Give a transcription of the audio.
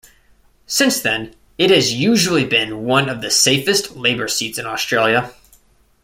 Since then, it has usually been one of the safest Labor seats in Australia.